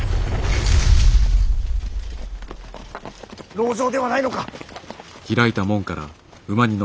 籠城ではないのか？